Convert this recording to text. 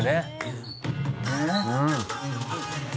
「うん」